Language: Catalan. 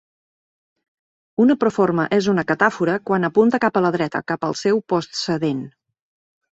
Una proforma és una catàfora quan apunta cap a la dreta, cap al seu postcedent.